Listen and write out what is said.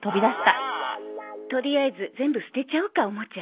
とりあえず全部捨てちゃおうかおもちゃ。